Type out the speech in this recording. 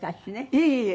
いえいえ。